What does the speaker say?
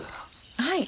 はい。